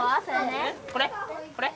これ？